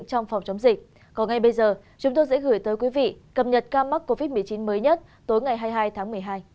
còn ngay bây giờ chúng tôi sẽ gửi tới quý vị cập nhật ca mắc covid một mươi chín mới nhất tối ngày hai mươi hai tháng một mươi hai